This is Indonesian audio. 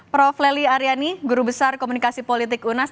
prof leli aryani guru besar komunikasi politik unas